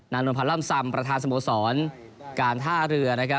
นานุพันร่ำสำประธานสมสรรค์การท่าเรือ